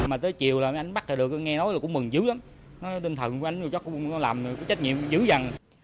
mà tới chiều anh ấy bắt được nghe nói cũng mừng dữ lắm tinh thần của anh ấy làm trách nhiệm dữ dằn